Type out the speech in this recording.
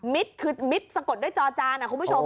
คือมิตรสะกดด้วยจอจานนะคุณผู้ชม